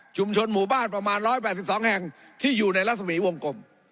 หมู่บ้านประมาณ๑๘๒แห่งที่อยู่ในรัศมีวงกลม